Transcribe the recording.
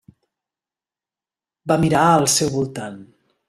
Va mirar al seu voltant.